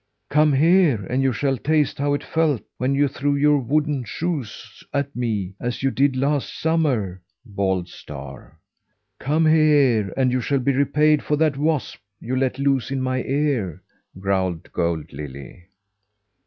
"Come here, and you shall taste how it felt when you threw your wooden shoes at me, as you did last summer!" bawled Star. "Come here, and you shall be repaid for that wasp you let loose in my ear!" growled Gold Lily.